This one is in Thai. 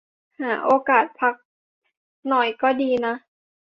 หาโอกาสพักหน่อยก็ดีนะ